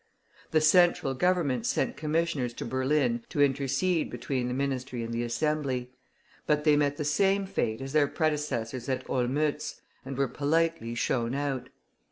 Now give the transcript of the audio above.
The Central Government sent commissioners to Berlin to intercede between the Ministry and the Assembly; but they met the same fate as their predecessors at Olmütz, and were politely shown out.